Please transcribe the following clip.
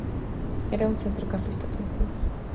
Era un centrocampista ofensivo.